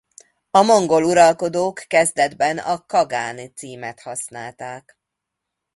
A mongol uralkodók kezdetben a kagán címet használták.